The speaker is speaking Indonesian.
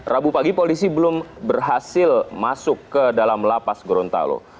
rabu pagi polisi belum berhasil masuk ke dalam lapas gorontalo